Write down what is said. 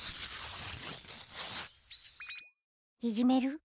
いぢめる？